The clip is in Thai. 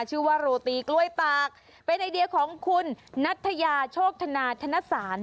ชื่อว่าโรตีกล้วยปากเป็นไอเดียของคุณนัทยาโชคธนาธนสาร